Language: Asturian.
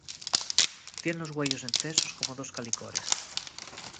Tien los güeyos encesos como dos calicores.